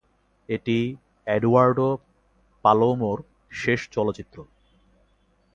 এটি এডুয়ার্ডো পালোমোর শেষ চলচ্চিত্র।